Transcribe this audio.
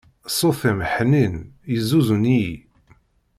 Ṣṣut-im ḥnin, yezzuzun-iyi.